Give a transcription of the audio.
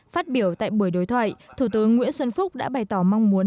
phát biểu tại buổi đối thoại thủ tướng nguyễn xuân phúc đã bày tỏ mong muốn